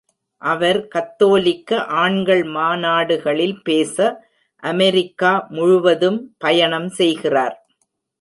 அவர் கத்தோலிக்க ஆண்கள் மாநாடுகளில் பேச அமெரிக்கா முழுவதும் பயணம் செய்கிறார்.